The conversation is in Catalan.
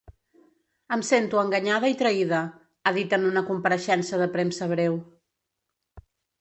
Em sento enganyada i traïda, ha dit en una compareixença de premsa breu.